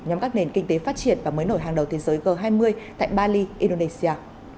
nhóm các nền kinh tế phát triển và mới nổi hàng đầu thế giới g hai mươi tại bali indonesia